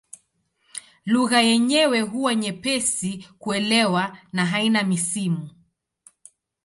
Lugha yenyewe huwa nyepesi kuelewa na haina misimu.